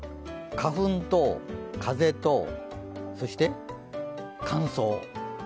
花粉と風と、そして乾燥。